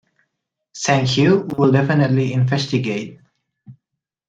Thank you. Will definitely investigate.